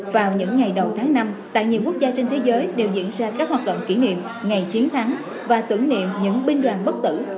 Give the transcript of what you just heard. vào những ngày đầu tháng năm tại nhiều quốc gia trên thế giới đều diễn ra các hoạt động kỷ niệm ngày chiến thắng và tưởng niệm những binh đoàn bất tử